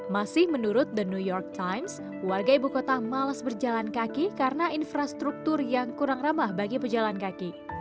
masih menurut the new york times warga ibu kota malas berjalan kaki karena infrastruktur yang kurang ramah bagi pejalan kaki